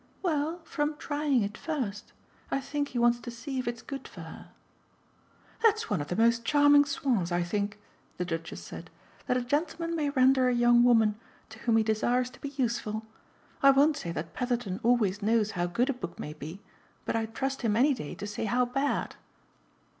"Well, from trying it first. I think he wants to see if it's good for her." "That's one of the most charming soins, I think," the Duchess said, "that a gentleman may render a young woman to whom he desires to be useful. I won't say that Petherton always knows how good a book may be, but I'd trust him any day to say how bad."